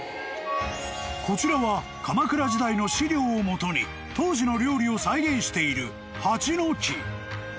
［こちらは鎌倉時代の史料をもとに当時の料理を再現している］